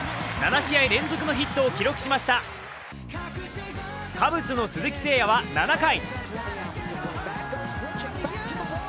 ７試合連続のヒットを記録しましたカブスの鈴木誠也は７回。